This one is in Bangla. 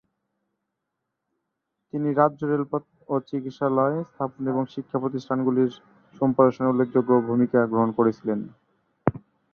তিনি রাজ্যে রেলপথ ও চিকিৎসালয় স্থাপনে এবং শিক্ষা প্রতিষ্ঠানগুলির সম্প্রসারণে উল্লেখযোগ্য ভূমিকা গ্রহণ করেছিলেন।